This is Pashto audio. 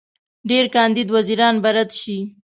ډېر کاندید وزیران به رد شي.